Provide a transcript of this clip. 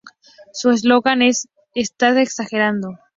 Su eslogan es "Estás exagerando!".